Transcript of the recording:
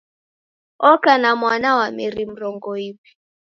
Oka na mwana wa meri mrongo iw'i.